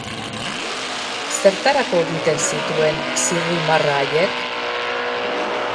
Zertarako egiten zituen zirrimarra haiek?